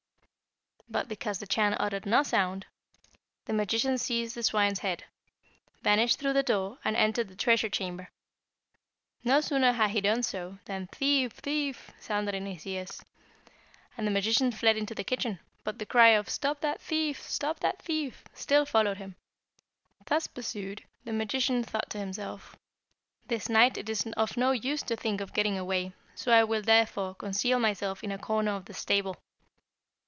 But because the Chan uttered no sound, the magician seized the swine's head, vanished through the door, and entered the treasure chamber. No sooner had he done so, than 'Thief, thief!' sounded in his ears, and the magician fled into the kitchen; but the cry of 'Stop that thief! stop that thief!' still followed him. Thus pursued the magician thought to himself, 'This night it is of no use to think of getting away, so I will, therefore, conceal myself in a corner of the stable.'